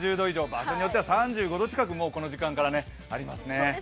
場所によっては３５度近くこの時間からありますね。